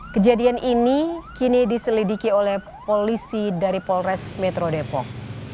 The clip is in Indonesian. kejadian ini kini diselidiki oleh polisi dari polres metro depok